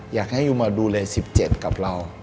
อยากให้อยู่มาดูแลสิบเจ็ดกับเรา